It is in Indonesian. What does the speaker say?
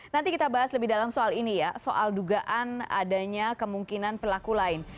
nanti kita bahas lebih dalam soal ini ya soal dugaan adanya kemungkinan pelaku lain